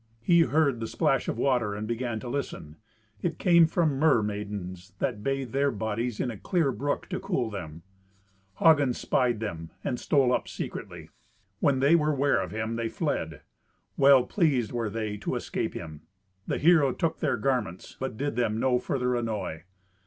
He heard the splash of water and began to listen. It came from mermaidens that bathed their bodies in a clear brook to cool them. Hagen spied them, and stole up secretly. When they were ware of him, they fled. Well pleased were they to escape him. The hero took their garments, but did them no further annoy.